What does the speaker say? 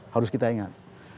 harus kita ingat